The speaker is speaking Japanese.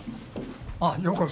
あっようこそ。